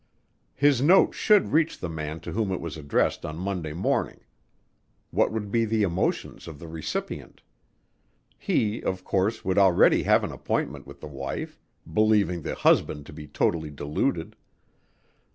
His note should reach the man to whom it was addressed on Monday morning. What would be the emotions of the recipient? He, of course, would already have an appointment with the wife, believing the husband to be totally deluded.